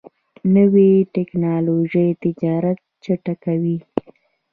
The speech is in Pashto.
نوې ټکنالوژي تجارت چټکوي.